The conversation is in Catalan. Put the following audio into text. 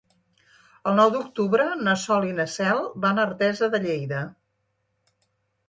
El nou d'octubre na Sol i na Cel van a Artesa de Lleida.